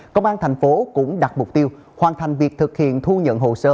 công an tp hcm cũng đặt mục tiêu hoàn thành việc thực hiện thu nhận hồ sơ